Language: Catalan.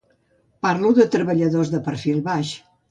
Parlo de treballadors de perfil baix.